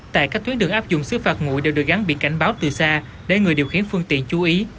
tại các tuyến đường áp dụng xử phạt ngụy đều được gắn bị cảnh báo từ xa để người điều khiến phương tiện chú ý